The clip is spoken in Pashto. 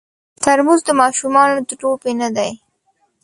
ترموز د ماشومانو د لوبې نه دی.